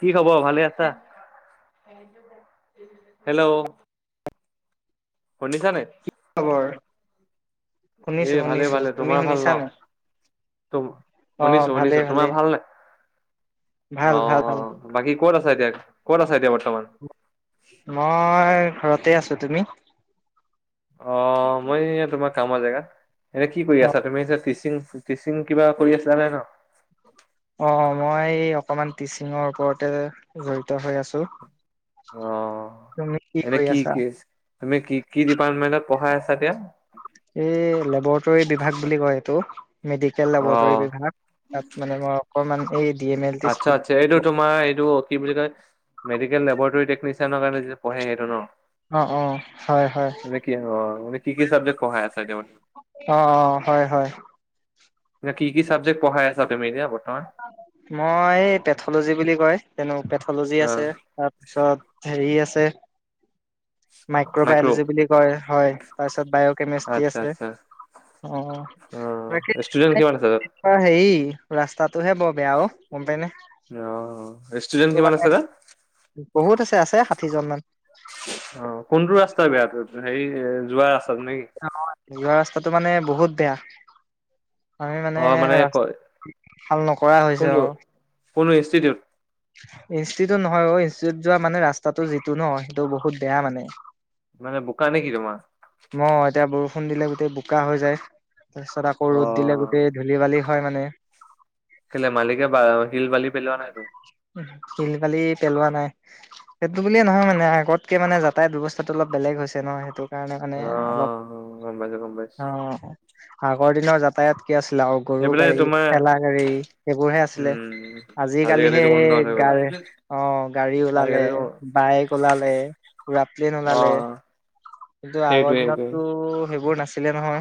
কি খবৰ ভালে আছা। হেল্ল' শুনিছা নাই কি খবৰ? এ শুনিছো ভালে শুনিছো ভালে তুমি তোমাৰ ভাল শুনিছা ন নে তম অ শুনিছো, ভালেই শুনিছো ভালেই তোমাৰ ভাল নাই। ভাল ভাল ভাল আহ বাকী ক'ত আছ এতিয়া ক'ত আছা এতিয়া বৰ্তমান মই ঘৰতে আছো তুমি অ মই তোমাৰ কামৰ জেগা এনে কি কৰি অ আছা টিচিং টিচিং কিবা কৰি আছিলা নাই ন অ মই অকমান টিচিঙৰ ওপৰতে জড়িত হৈ আছো অ তুমি এনে কৰি কি আছা কি তুমি কি কি ডিপাৰ্টমেন্টত পঢ়াই আছা এতিয়া এই লেবৰেটৰী বিভাগ বুলি কয় এইটো মেডিকেল অ লবৰেটৰ বিভাগ তাত মানে মই অকমান এম এল টি আচ্ছা আচ্ছা এইটো তোমাৰ এইটো কি বুলি কয় মেডিকেল লেবৰেটৰী টেকনিচিয়ান কাৰণে যিটো পঢ়ে সেইটো ন অ অ হয় হয় মানে কি অ মানে কি কি চাবজেক্ট পঢ়াই আছা এতিয়া অ অ হয় হয়। কি কি চাবজেক্ট পঢ়াই আছা তুমি এতিয়া বৰ্তমান মই পেথলজী বুলি কয় যেনো পেথলজি আছে অ' তাৰপিছত হেৰি আছে মাইক্ৰ মাইক্ৰবায়লজি বুলি কয় হয় তাৰপিছত বায়' কেমেষ্ট্ৰি আচ্ছা আছে আচ্ছা অ', বাকী অ' ষ্টুডেন্ট কিমান আছে তাত? হেৰি ৰাস তহে বৰ বেয়া অ, গম পাই নে? অ', তোৰ ৰেষ্টুডেণ্ট কিমান মানে আছে দা? বহুত আছে আছে ষাঠিজন মান। অ', কোনটো ৰাস্তা বেয়াটো হেৰি এ যোৱা ৰাস্তা [unintelligible] যোৱা ৰাস্তাটো মানে বহুত বেয়া। আমি মানে অ' ক- ৰাস্তা ভাল নকৰা হৈছে আৰু কোনো [unintelligible] ইনষ্টিটিউট ইনষ্টিটিউট নহয় অ ইনষ্টিউট যোৱা মানে ৰাস্তাটো যিটো ন সেইটো বহুত বেয়া মানে মানে বোকা নেকি তোমাৰ মই এতিয়া বৰষুণ দিলে গোটেই বোকা হৈ যায় তাৰ পিছত আকৌ ৰ'দ দিলে অ' গোটেই ধূলি বালি হয় মানে কেলে মালিকে হিল বালি পেলোৱা নাই [inaudible] উলি পালি পেলোৱা নাই সেইটো বুলিয়ে নহয় মানে আগতকে মানে যাতায় ব ব্যৱস্থাটো অলপ বেলেগ। হৈছে ন সেইটো সেইকাৰণে মানে অলপ অ' গম পাইছো গম পাইছো। অ, আগৰ দিনৰ যতায়াত কি আছিলে আৰু গৰু এইফালে গাড়ী তোমাৰ খেলা গাড়ী সেইবোৰহে আছিলে উম আজি কালি সে আজিকালিতো উন্নত হৈ গা গ'ল। অ, গাড়ী উলালে আজিকালিতো বাইক উলালে ৰাতি নোলালে অ' কিন্তু আগৰ সেইটোৱে সেইটোৱে দিনততো সেইবোৰ নাছিলে নহয়।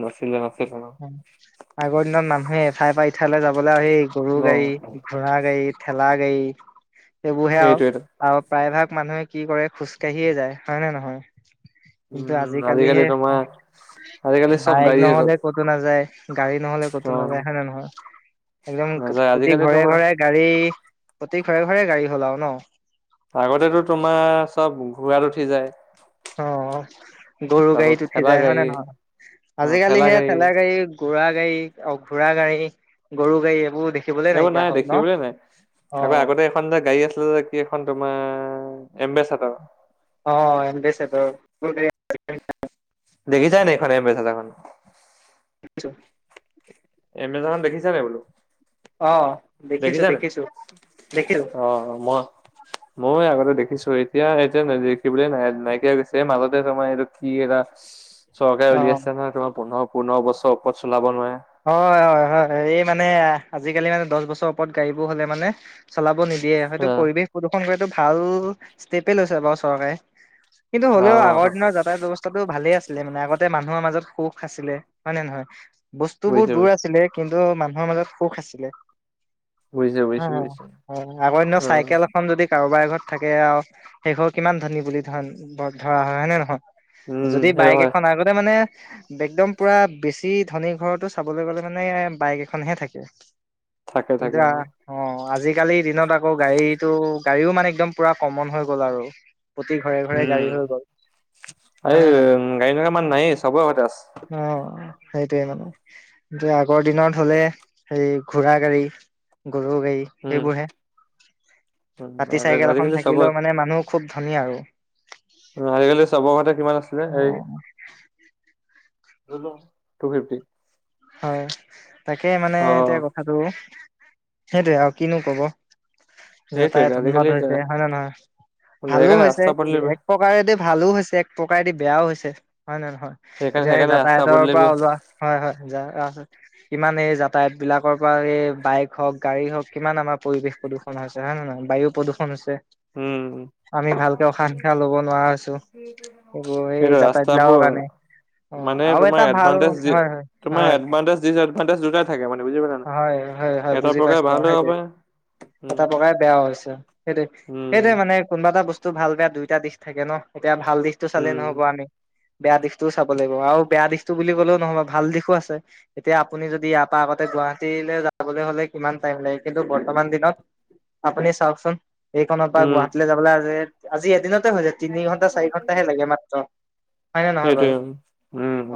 নাছিলে নাছিলে ন। আগৰ দিনৰ মানুহে ঠাই পা ইঠাইলৈ যাবলৈ আৰু সেই গৰু অ'। গাড়ী, ঘোঁৰা গাড়ী, ঠেলা গাড়ী সেইবোৰহে আৰু সেইটোৱেটো আৰু প্ৰায় ভাগ মানুহে কি কৰে খোজকাঢ়িয়ে যায় হয় নে নহয়? কিন্তু উম আজিকালি আজিকালিহে তোমাৰ আজিকালি চব বাইক গাড়ী হৈ গ'ল নহলে ক'তো নাযায়, গাড়ী নহলে কতো অ নাযায়, হয় নে নহয়? একদম নাযায় প্ৰতি আজিকালি ঘৰে তোমাৰ ঘৰে গাড়ী, প্ৰতি ঘৰে ঘৰে গাড়ী হ'ল আৰু ন'। আগতেতো তোমাৰ চব ঘোঁৰাত উঠি যায়। অ', গৰু তাৰপিছত গাড়ীত উঠি ঠেলা যায় হয় নে গাড়ী নহয়, আজিকালি সেয়া ঠেলা গাড়ী ঘোঁৰা গাড়ী অ, ঘোঁৰা গাড়ী, গৰু গাড়ী এইবোৰ দে সেইবোৰ নাই দেখি বলয়ে নাই আকৌ অ' আগতে এখন যে গাড়ী আছিলে যে কি এখন তোমাৰ এম্বেচেডৰ। অ' এম্বেচেডৰ [inaudible] দেখিছানে দেখা নাই এম্বেচেডৰখন? দেখিছোঁ। এম্বেচেডৰ দেখিছা নাই বোলো? অ' দেখিছো দেখিছানে দেখিছো দেখিছো অ', মই মই আগতে দেখি দেখিছো এতিয়া এতিয়া নেদেখিবলৈ নাই নাইকিয়া হয় গৈছে মাজতে তোমাৰ এইটো কি এৰা চৰকাৰে অ'। উলিয়াইছে নহয় তোমাৰ পোন্ধৰ পোন্ধৰ বছৰ ওপৰত চলাব নোৱাৰে। হয়, হয়, হয়, হয়, এই মানে আজিকালি মানে দশ বছৰ ওপৰত গাড়ী বোৰ হ'লে মানে চলাব নিদ দিয়ে হয়টো অ', পৰিৱেশ প্ৰদূষণ কৰাটো ভাল ষ্টেপে লৈছে বাৰু চৰকাৰে। কিন্তু হ'লেও আগৰ অ', দিনৰ যাতায়ৰ ব্যৱস্থাটো ভালে আছিলে মানে আগতে মানুহ মানুহৰ মাজত সুখ আছিলে হয় নে নহয়, বস্তু বোৰ বুজিছো, দূৰ আছিলে কিন্তু মান মানুহৰ মাজত সুখ আছিলে, বুজিছো, বুজিছো, বুজিছো, আগৰ অ', দিনত উম, চাইকেল এখন যদি কাৰোবাৰ ঘৰত থাকে আৰু সেই ঘৰ কিমান ধনী বুলি ধন ধৰা হয় হয় নে নহয়? উম যদি সেইটো বাইক হয়, এখন আগতে মানে একদম পুৰা বেছি ধনী ঘৰতো চাবলৈ গলে মানে বাইক এখনহে থাকে থাকে, কিন্তু থাকে, অ, আজি আজিকালি দিনত আকৌ গাড়ীতটো গাড়ীও মানে একদম পুৰা কমন হৈ গ'ল আৰু। প্ৰতি ঘৰে ঘৰে উম, গাড়ী হৈ গ'ল। এই হয় নে নাই গাড়ী নথকা মানুহ নাইয়েই, চবৰে ঘৰতে আছে। সেইটয়ে মানে কি আগৰ দিনত হলে হেৰি ঘোৰা গাড়ী গৰু গাড়ী উম, সেইবোৰ হে, উম পাতি আগ- চাইকেল এখন আজিকালি চবৰ থাকিলেও মানে মানুহ খুব ধুনীয়া আৰু আজিকালি চবৰ ঘৰতে কিমান আছিলে অ এই টু ফিফটি হয় তাকে মানে অ', এতিয়া কথাটো সেইটোয়ে আৰু কিনো কব। সেইটোৱেটো যাতায়াত উন্মাদ আজিকালি হৈছে তে- হয় নে নহয়? ভালো সেইকাৰণে হৈছে ৰাস্তা পদূলি এক প্ৰকাৰেদি ভালো হৈছে এক প্ৰকাৰেদি বেয়াও হৈছে হয় নে নহয়, সেইকাৰণে, এতিয়া এই সেইকাৰণে ৰাস্তা যাতায়তৰ পৰা পদূলিবোৰ উলোৱা হয় হয় কিমান এই যাতায়াত বিলাকৰ পৰা এই বাইক হওক গাড়ী হওক কিমান আমাৰ পৰিৱেশ প্ৰদ [unintelligible] হৈছে হয় নে নহয় বায়ু প্ৰদূষণ হৈছে। উম, আমি ভালকে উশাহ নিশাহ লব নোৱাৰা হৈছো। এইবোৰ সেই সেইটো যাতায়ত বিলাকৰ ৰাস্তাবোৰ কাৰণে অ, মানে আৰু তোমাৰ এটা ভাল এডভান্টেজ যি হয় হয়। তোমাৰ হয় এডভান্টেজ, ডিচএডভান্টেজ দুটাই থাকে মানে বুজি পালা নাই, হয় হয় হয় এটা বুজি প্ৰকাৰে পাইছো আৰু ভালো হ'ব সেইটোৱে। পাৰে উম। এটা প্ৰকাৰে বেয়াও। সেইটো উম, সেইটোয়ে মানে কোনোবা এটা বস্তু ভাল বেয়া দুইটা দিশ থাকে ন। এতিয়া ভাল দিশতটো চালে উম, নহব, আমি বেয়া দিশতটোও চাব লাগিব, আৰু বেয়া দিশতটো বুলি ক'লেও নহব, ভাল দিশ তো আছে, এতিয়া আপুনি যদি ইয়াৰ পৰা আগতে গুৱাহাটীলৈ যাবলৈ হলে কিমান টাইম লাগে। কিন্তু বৰ্তমান দিন আপুনি চাওঁকচোন এইকনৰ পৰা উম, গুৱাহাটীলৈ যাবলৈ আজি এদিনতে হৈ যায় তিনি ঘণ্টা চাৰি ঘন্টাহে লাগে মাত্ৰ। হয় নে নহয় সেইটোৱে বাৰু? উম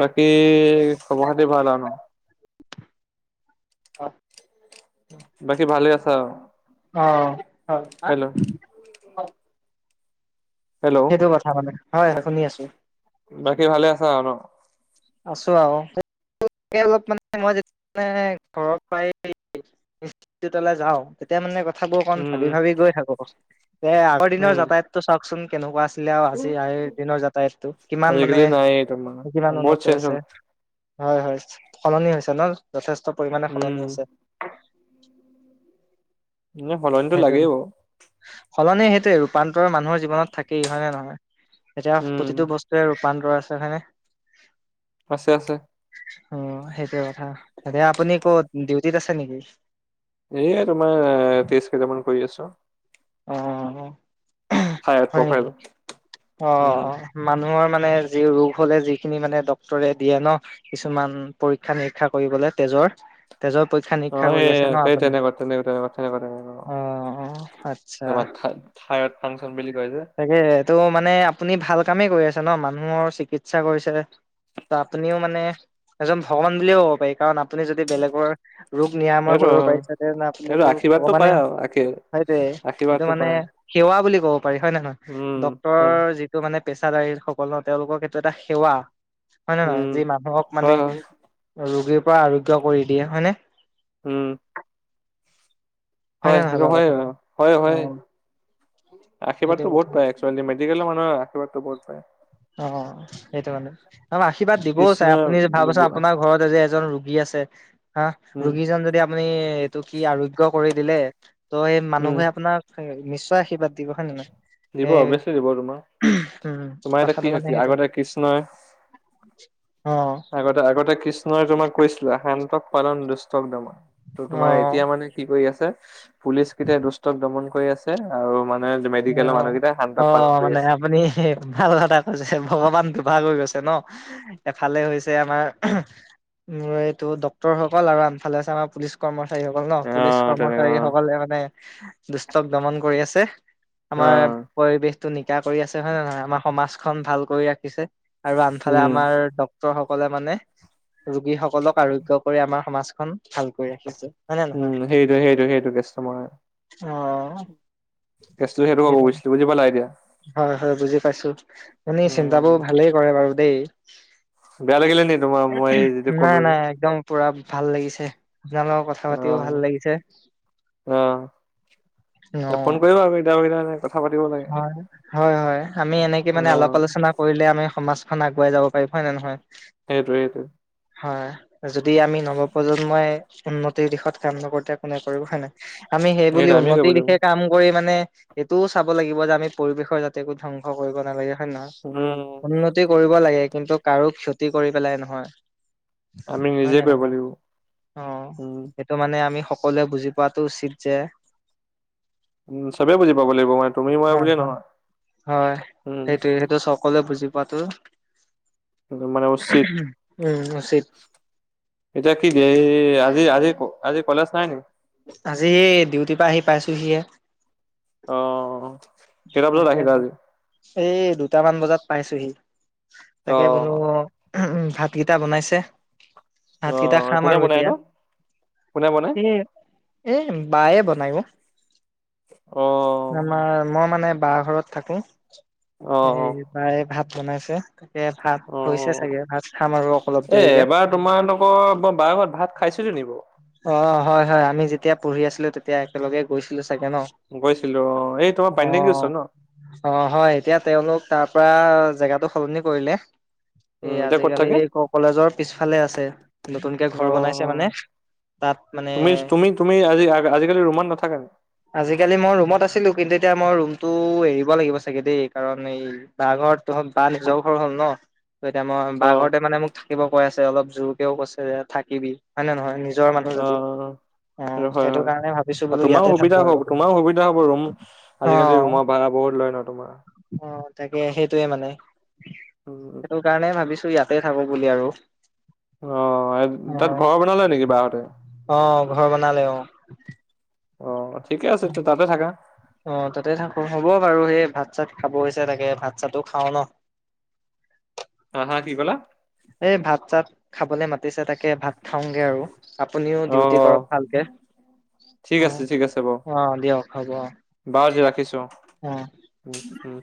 বাকী খবৰ খাতি ভাল আৰু ন। অ' বাকী ভালে আছা? অ' হয়। হেল্ল' হেল্ল' সেইটো কথা মানে, হয় হয় শুনি আছো। বাকী ভালে আছা ন। আছো আৰু অলপ মানে মইয়া ঘৰ ইষ্টিটিউটলে যাওঁ তেতিয়া মানে থাকো অকণ উম, ভাবি উম, ভাবি গৈ থাকো, এ আগৰ দিনৰ উম, যাতায়াতটো চাকচোন কেনেকুৱা আছে আছিলে আৰু আজি আ দিনৰ যাতায়তটো কিমান মানে আজিকালি নাইয়ে তোমাৰ কিমান বহুত উন্নত চেঞ্জ হৈছে। হ'ল। হয় হয় সলনি হৈছে ন, যথেষ্ট পৰিমানে সলনি উম, হৈছে। [unintelligible] নে সলনিটো সেইটোৱে লাগেই বাৰু। সলনি সেইটোৱে, ৰূপান্তৰ মানুহৰ জীৱনত থাকেই হয় নে নহয়? এতিয়া উম, প্ৰতিটো বস্তুৱে পান্দ আছে হয়নে আছে আছে। অ' সেইটোৱে কথা, আপুনি ক'ত ডিউটিত আছে নেকি! এয়াই তোমাৰ তেষ্ট কেইটামান কৰি আছো। অ থাইৰড হয় প্ৰফাইল নেকি অ উম, অ মানুহৰ মা ৰে যি ৰোগ হলে যিখিনি মানে ডক্তৰে দিয়ে ন কিছুমান পৰীক্ষা নিৰীক্ষা কৰিবলৈ তেজৰ ৰ তেজৰ পৰীক্ষা নিৰীক্ষা অ', কৰি আছে ন সেই আপুনি তেনেকুৱা তেনেকুৱা তেনেকুৱা তেনেকুৱা তেনেকুৱা অ' অ' তা থাইৰড ফাংচন বুলি কয় যে তাকে টো মানে আপুনি ভাল কামেই কৰি আ ন মানুহৰ চিকিৎসা কৰিছে ত' আপুনিও মানে এজন ভগৱান বুলিয়ে ক'ব পাৰি। কাৰণ আপুনি যদি বেলেগৰ ৰোগ নিৰাময় সেইটো কৰিব পাৰিছে তে সেইটো আপুনিতটো আশীৰ্বাদটো ভগৱানে পায় আৰু আশীৰ্বাদ সেইটোয়ে এইটো আশীৰ্বাদটো মানে পায় সেৱা বুলি ক'ব পাৰি হয় নে নহয়, উম ডক্তৰৰ উম যিটো মানে পেছাদাৰী সকলৰ, তেওঁলোকক এইটো এটা সেৱা। হয় নে নহয় উম, যি মানুহক মানে হয় হয় ৰোগীৰ পৰা আৰোগ্য কৰি দিয়ে হয় নে উম নে হয় নহয় ৰ বাৰু কথাটো? হয়, হয় অ' সেইটো আশীৰ্বাদতটো কথা বহুত পায় একেল মেডিকেলৰ মানুহৰ আৰ্শীৰ্বাদটো বহুত পায় অ সেইটো মানে আৰু আশীৰ্বাদ দিবও চাই কৃষ্ণই আপুনি যে ভাবচোন আপোনাৰ ঘৰত এ যে এজন ৰোগী আছে হা উম ৰোগীজন যদি আপুনি এইটো কি আৰোগ্য কৰি দিলে ত সেই মানুহ উম নিশ্চয় আশীৰ্বাদিব হয় নে নহয়। দিব এই অভিয়াচলি দিব তোমাক উম তোমাৰ এতিয়া কি কথাটো মানে হৈছে সেইটো। আগতে কৃষ্ণই অ' আগতে আগতে কৃষ্ণই তোমাক কৈছিলে শান্তক পালন দুষ্টক দমন। ত' তোমাৰ অ' এতিয়া মানে কি কৰি আছে পুলিচ কিটয়া দুষ্টক দমন কৰি আছে, আৰু মানে মেডিকেলৰ অ' মানুহকেইটাই শান্তক পালন অ' কৰি মানে আছে আপুনি ভাল কথা কৈছে ভগৱানটো ভাগ হৈ গৈছে ন এফালে হৈছে আমাৰ মোৰ এইটো ডক্তৰসকল আৰু আনফালে আছে আমাৰ পুলিচ কৰ্ম সকল ন পুলিচ অ তেনেকুৱা কৰ্মচাৰীসকলে মানে দুষ্টক দমন কৰি আছে। অ আমাৰ পৰিৱেশতটো নিকা কৰি আছে হয় নে নহয় আমাৰ সমাজখন ভাল কৰি ৰাখিছে। আৰু আনফালে উম আমাৰ ডক্তৰ সকলে মানে ৰোগী সকলক আৰোগ্য কৰি আমাৰ সমাজ খন ভালকৈ ৰাখিছো উম সেইটো সেইটো সেইটো কেষ্টমাৰ অ কেছটো ক'ব সেইটো গৈছিলো বুজি পালা এতিয়া। হয়, হয় বুজি পাইছো এমি উম, চিন্তাবোৰ ভালেই কৰে বাৰু দেই বেয়া লাগিলে নি তোমাৰ মই এই যিটো নাই ক'লো যে নাই একদম পুৰা ভাল লাগিছে। আপোনালোকক কথা পাতিও ভাল অ', লাগিছে অ'। অ ফোন কৰিবা আকৌ কেতিয়াবা কেতিয়াবা কথা পাতিব লাগে হয়, হয়, হয় আমি এনেকে মানে আলপ অ', আলোচনা কৰিলে আমি সমাজ খান আগুৱাই যাব পাৰি হয় নে নহয় সেইটোৱে সেইটোৱে। হয় যদি আমি নৱপ্ৰজন্মই উন্নতিৰ দিশত কাম নকৰো তে কোনে কৰিব হয়ে নহ আমি সেইব বুলি সেইটো আমিয়ে কৰিব উন্নতিৰ লাগিব দিশে কাম কৰি মানে এইটোও চাব লাগিব যে আমি পৰিৱেশৰ যাতে একো ধ্বংস কৰিব নালাগে হয়ে নহয় উম, উন্নতি কৰিব লাগে কিন্তু কাৰো ক্ষতি কৰি পেলাই নহয়। আমি হয় নিজে নে কৰিব নহয় লাগিব অ উম। সেইটো মানে আমি সকলোৱে বুজি পোৱাতটো উচিত যে উ চবে বুজি পাব লাগিব মান তুমি মই হয়, বুলিয়ে হয়, নহয় উম পাত মানে উচিত উচিত। এতিয়া কি যে আজি, আজি, আজি কলেচ নাই নি? আজি ডিউটিৰ পৰা আহি পাইছোহিয়ে। অ'। কেইটা বজাত তাকে আহিলা আজি এই দুটামান বজাত পাইছোহি। তাকে বোলো অ', উ ভাতকেইটা বনাইছে। ভাতকেইটা অ', খাম কোনে আৰু বনাই এতিয়া এইটো কোনে বনাই? এ এ বায়ে বত [unintelligible] আমাৰ অ', মই মানে বা ঘৰত থাকোঁ। অ', এই অ', বায় ভাত বনাইছে। তাকে ভাত অ হৈছে চাগে ভাত খাম আৰু অলপ এ দেৰিকে এবাৰ তোমালোকৰ মই বা ঘৰত ভাত খাইছো নিব [unintelligible] অ' হয়-হয় আমি যেতিয়া পঢ়ি আছিলো তেতিয়া একেলগে গৈছিলো। চাগে ন গৈছিলো। অ', এই তোমাৰ পানী টেংকিৰ অ' ওচৰত ন? অ' হয় এতিয়া তেওঁলোক তাৰ পৰা জেগাতো সলনি কৰিলে এই উম, এতিয়া ক'ত আজিকালি থাকে? কলেজৰ পিছফালে আছে। নতুনকে ঘৰ বনাইছে অ', মানে। তাত মানে তুমি তুমি তুমি আজি আজিকালি ৰুমত নাথাকা নি? আজিকালি মই ৰোমত আছোঁ। কিন্তু এতিয়া মই ৰুমতটো এৰিব লাগিব চাগে দেই কাৰণ এই বা ঘৰত বা নিজৰ ঘৰ হ'ল ন। অ'। ত, এতিয়া মই অ', বাঘৰতে মানে মোক থাকিব কৈ আছে অলপ জোৰকেও কৈছে যে থাকিবি হয় নে নহয় নি অ'। হয়, হয়, কাৰণে ভাবিছো বোলো ইয়াতে তোমাৰো থাকো সুবিধা আৰু হ'ব তোমাৰো সুবিধা হ'ব ৰুম অ আজিকালি ৰুমৰ ভাড়া বহুত বহুত লয় ন তোমাৰ। অ তাকে সেইটোয়ে মানে উম, সেইটো কাৰণে ভাবিছো ত ইয়াতে থাকো বুলি আৰু। অ তাত ঘৰৰ বনালে? নেকি বাহঁতে? আহ ঘৰ বনালে অ। অহ' অ' তাতে থাকো হ'ব বাৰু সেই ভাত ভাত চাত খাব হৈছে তাগে ভাত চাতো খাওঁ ন। হা হা কি কলা? এই ভাত চাত খাবলে মাতিছে তাকে ভাত খাওঁগে আৰু। আপুনিও ডিউটি অ', কৰক ভালকে। ঠিক অ আছে ঠিক আছে বাৰ, অ দিয়ক হ'ব বাৰু ৰাখিছো। অ উম, উম।